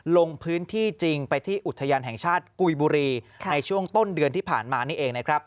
ลงพื้นที่จริงไปที่อุทยานแห่งชาติกุยบุรีในช่วงต้นเดือนที่ผ่านมานี่เองนะครับ